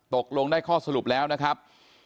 ตกลงได้ข้อสรุปแล้วนะครับ